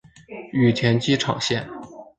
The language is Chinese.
羽田机场线